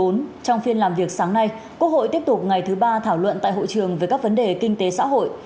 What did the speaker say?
trong phiên làm việc sáng nay quốc hội tiếp tục ngày thứ ba thảo luận tại hội trường về các vấn đề kinh tế xã hội